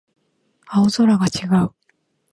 青空が違う